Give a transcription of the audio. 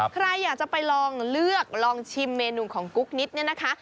ใครอยากจะไปลองเลือกลองชิมเมนูของกุ๊กนิดเนี่ยนะคะ